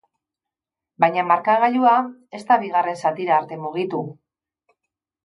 Baina markagailua ez da bigarren zatira arte mugitu.